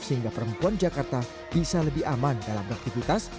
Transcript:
sehingga perempuan jakarta bisa lebih aman dalam beraktivitas